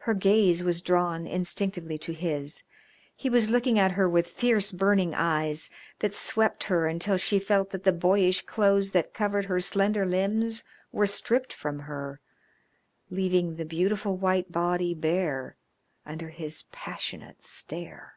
Her gaze was drawn instinctively to his. He was looking at her with fierce burning eyes that swept her until she felt that the boyish clothes that covered her slender limbs were stripped from her, leaving the beautiful white body bare under his passionate stare.